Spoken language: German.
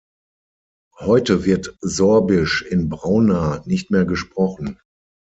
Heute wird Sorbisch in Brauna nicht mehr gesprochen.